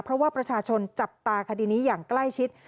เพราะว่าประชาชนจับตาคดีนี้อย่างใกล้ชิด